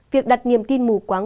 việc đặt niềm tin mù quáng